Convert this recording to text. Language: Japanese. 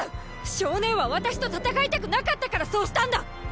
象姉は私と戦いたくなかったからそうしたんだ！